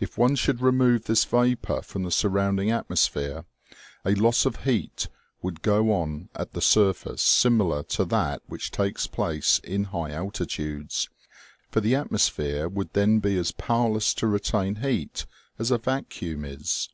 228 OMEGA. If one should remove this vapor from the surrounding atmosphere, a loss of heat would go on at the surface simi lar to that which takes place in high altitudes, for the atmosphere would then be as powerless to retain heat as a vacuum is.